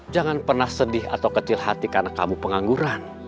jangan pernah sedih atau kecil hati karena kamu pengangguran